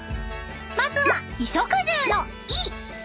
［まずは衣食住の］